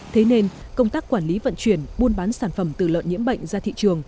thế nên công tác quản lý vận chuyển buôn bán sản phẩm từ lợn nhiễm bệnh ra thị trường